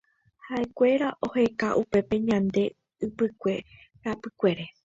Haʼekuéra oheka upépe ñande ypykue rapykuere.